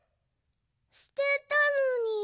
すてたのに。